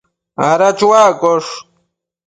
ada chuaccosh